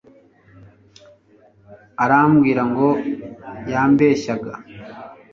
arambwira ngo yambeshyaga